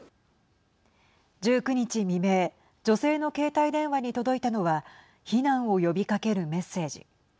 １９日未明女性の携帯電話に届いたのは避難を呼びかけるメッセージ。